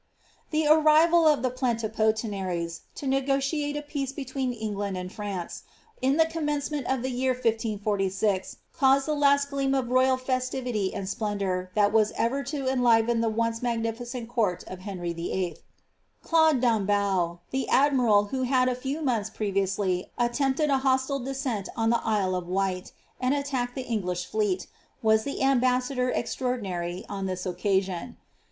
The arrival of the plenipotentiaries, to negociate a peace between England and France, in the commencement of the year 1546, caused the last gleam of royal festivity and splendour that was ever to enliven the once magnificent court of Henry VIII. Claude d'Annebaut, the admiral who had a few months previously attempted a hostile descent on the Isle of Wight, and attacked tlie English fleet, was the aml>assador extra ordinary on this occasion.